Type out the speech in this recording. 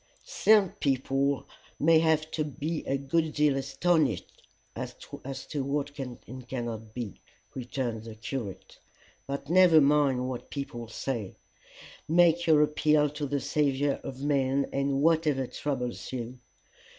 "Some people may have to be a good deal astonished as to what can and cannot be," returned the curate. "But never mind what people say: make your appeal to the saviour of men about whatever troubles you.